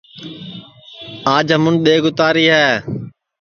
آج ہمون ڈؔیگ اُتاری ہے